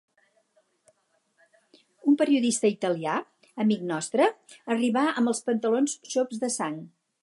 Un periodista italià, amic nostre, arribà amb els pantalons xops de sang